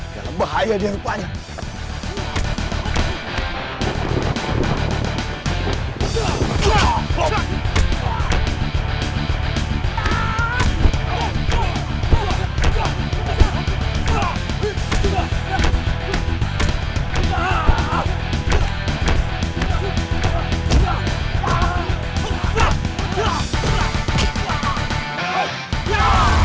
dalam bahaya diantaranya